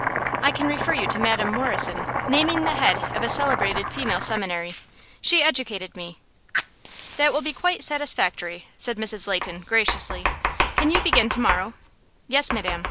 "I can refer you to Madam Morrison," naming the head of a celebrated female seminary. "She educated me." "That will be quite satisfactory," said Mrs. Leighton, graciously. "Can you begin to morrow?" "Yes, madam."